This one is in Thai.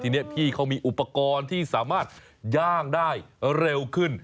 ทีนี้พี่เขามีอุปกรณ์ที่สามารถย่างได้เร็วขึ้น